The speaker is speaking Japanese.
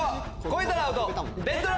超えたらアウト！